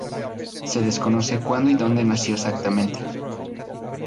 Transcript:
Se desconoce cuándo y dónde nació exactamente.